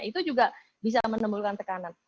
itu juga bisa menimbulkan tekanan